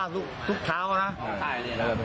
ไปโบกรถจักรยานยนต์ของชาวอายุขวบกว่าเองนะคะ